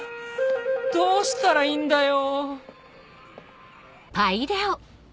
どうしたらいいんだよ